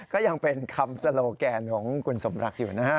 ก็ยังเป็นคำโซโลแกนของคุณสมรักอยู่นะฮะ